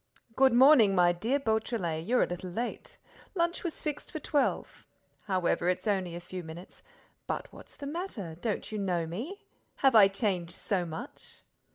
"Good morning, my dear Beautrelet, you're a little late. Lunch was fixed for twelve. However, it's only a few minutes—but what's the matter? Don't you know me? Have I changed so much?"